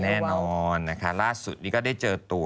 แน่นอนนะคะล่าสุดนี้ก็ได้เจอตัว